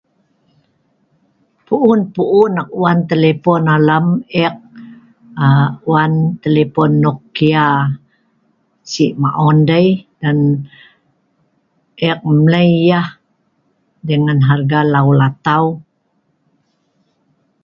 Puun-puun eek wan telepon alam, eek aa.. wan telepon nokia si’ maun dei nan eek mlei yeh dengan harga lau latau